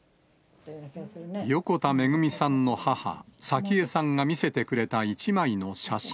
横田めぐみさんの母、早紀江さんが見せてくれた１枚の写真。